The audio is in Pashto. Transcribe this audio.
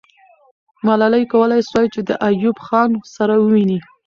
ملالۍ کولای سوای چې د ایوب خان سره وویني.